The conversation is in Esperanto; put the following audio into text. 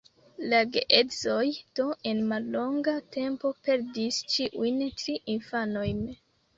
La geedzoj do en mallonga tempo perdis ĉiujn tri infanojn.